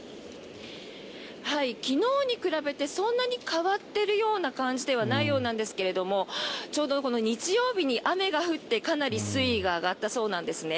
昨日に比べてそんなに変わっているような感じではないようなんですがちょうど日曜日に雨が降ってかなり水位が上がったそうなんですね。